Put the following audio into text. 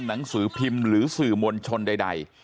หนังสือพิมพ์หรือสื่อมวลชนใด